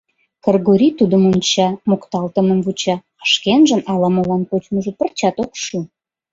Кыргорий тудым онча, мокталтымым вуча, а шкенжын ала-молан кочмыжо пырчат ок шу.